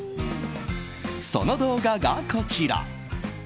その動画が、こちら。